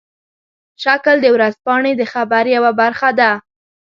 شکل د ورځپاڼې د خبر یوه برخه ده.